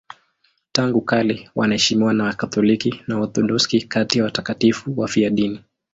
Tangu kale wanaheshimiwa na Wakatoliki na Waorthodoksi kati ya watakatifu wafiadini.